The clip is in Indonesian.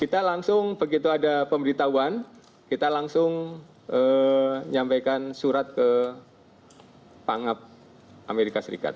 kita langsung begitu ada pemberitahuan kita langsung nyampaikan surat ke pangap amerika serikat